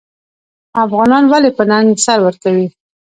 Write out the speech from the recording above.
افغانان ولې په ننګ سر ورکوي؟